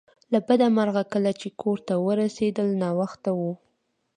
له بده مرغه کله چې کور ته ورسیدل ناوخته و